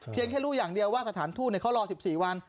เพียงแค่รู้อย่างเดียวว่ากฐานทู้เนี่ยเขารอ๑๔วัน